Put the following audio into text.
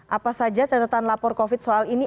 apa saja catatan lapor covid soal ini